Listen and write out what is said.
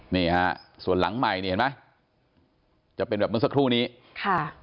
นี่ฮะส่วนหลังใหม่นี่เห็นไหมจะเป็นแบบเมื่อสักครู่นี้ค่ะ